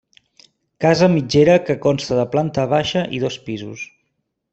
Casa mitgera que consta de planta baixa i dos pisos.